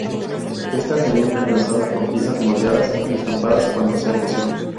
Estas serían reemplazadas por piezas moldeadas y estampadas cuando sea posible.